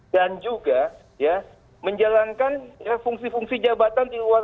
dan juga menjalankan fungsi fungsi jabatan di luar negara